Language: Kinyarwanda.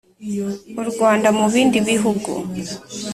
U Rwanda mu bindi bihugu